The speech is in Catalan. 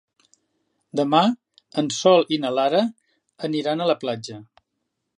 Demà en Sol i na Lara aniran a la platja.